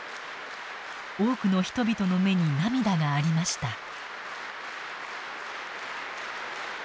多くの人々の目に涙がありました。